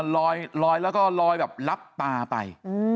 รอยรอยและก็รอยแบบรับตาไป